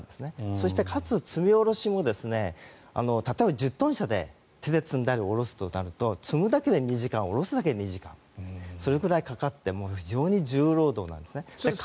そして、かつ積み下ろしも例えば１０トン車で手で積んだり下ろすとなると積むだけで２時間下ろすだけで２時間それぐらいかかって非常に重労働なんです。